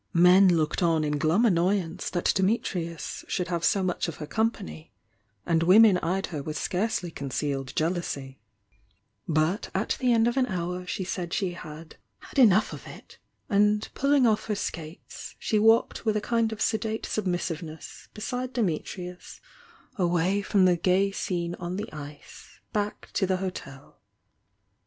Men looked on in glum annoyance that Dimitrius should have so much of her com pany, and women eyed her with scarcely concealed jedousy But at the end of an hour she said she had had enough of it," and pulling off her skates she walked with a kind of sedate submissiveness beside Dimitrius away from the gay scene on the ice back to the hotel.